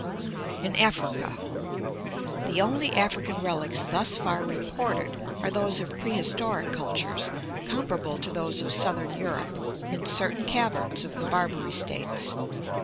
In Africa. — The only African relics thus far reported are those of prehistoric cultures, comparable to those of southern Europe, in certain caverns of the Barbary States.